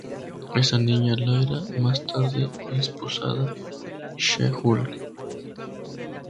Esta niña, Lyra, más tarde es apodada "She-Hulk".